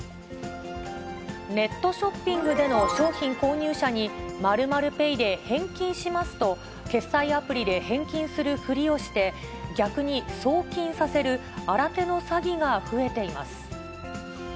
ネットショッピングでの商品購入者に、○○ペイで返金しますと、決済アプリで返金するふりをして、逆に送金させる新手の詐欺が増えています。